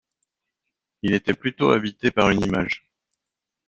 Il était plutôt habité par une image.